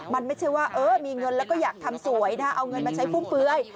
มันไม่ใช่ว่ามีเงินแล้วก็อยากทำสวยนะเอาเงินมาใช้ฟุ่มเฟือย